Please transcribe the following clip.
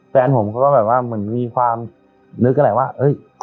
แฟนผมก็แบบว่ามันมีความนึกอะไรว่าเอ้ย